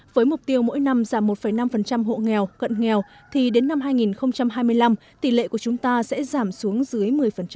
với mục tiêu mỗi năm giảm một năm hộ nghèo cận nghèo thì đến năm hai nghìn hai mươi năm tỷ lệ của chúng ta sẽ giảm xuống dưới một mươi